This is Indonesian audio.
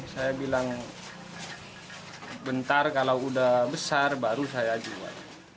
saya bilang bentar kalau udah besar baru saya jual